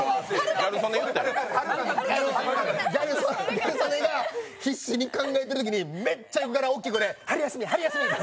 ギャル曽根が必死に考えてるときにめっちゃ横から大きい声で、春休み春休みって。